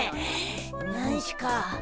何しゅか？